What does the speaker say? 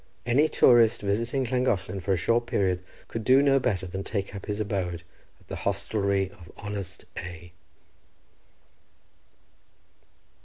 Any tourist visiting Llangollen for a short period could do no better than take up his abode at the hostelry of honest A—.